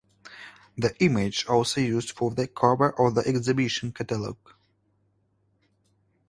The image also used for the cover of the exhibition catalog.